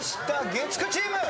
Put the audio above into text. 月９チーム。